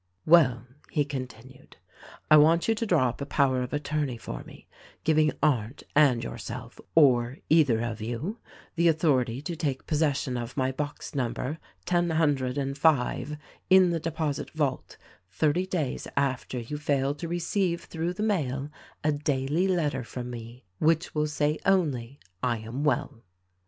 "Well," he continued, "I want you to draw up a power of attorney for me, giving Arndt and yourself — or either of you — the authority to take possession of my box number ten hundred and five in the Deposit Vault, thirty days after you fail to receive through the mail a daily letter from me which will say only, T am well.'